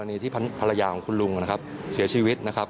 อันนี้ที่ภรรยาของคุณลุงนะครับเสียชีวิตนะครับ